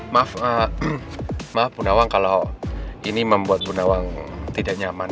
maaf bu nawang kalau ini membuat bu nawang tidak nyaman